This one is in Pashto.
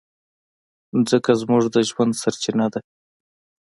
مځکه زموږ د ژوند سرچینه ده.